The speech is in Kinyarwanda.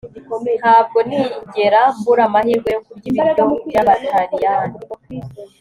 Ntabwo nigera mbura amahirwe yo kurya ibiryo byabataliyani